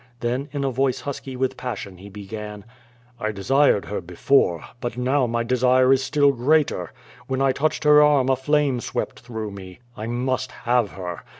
Then in a voice husky with passion he began: "I desired her before, but now my desire is still greater. When I touched her arm a flame swept through me. I must have her.